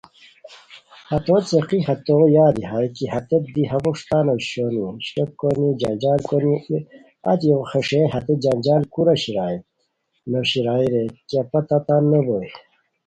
ہتو څیقی ہتویادی ہائےکی ہتیت دی ہموݰ تان اوشونی، اِشٹوک کونی، جنجال کونی اچی ایغو خیݰئینی ہتے جنجال کورا شیرایا نوشیرائے رے کیہ پتہ تان نوبوئے